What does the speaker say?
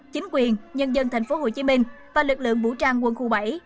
chính quyền nhân dân tp hcm và lực lượng vũ trang quân khu bảy